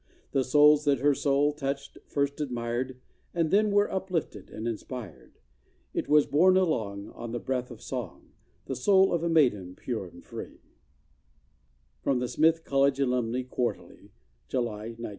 The souls that her soul touched, first admired, And then were uplifted and inspired. It was borne along On the breath of song — The soul of a maiden, pure and free. Louisa Spear Wilson, Class of 1912. From The Smith College Alumnae Quarterly, July, 1916.